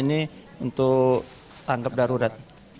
ini untuk tanggap darurat